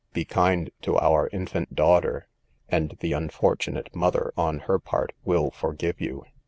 Be kind to our infant daughter; and the unfortunate mother on her part, will forgive you.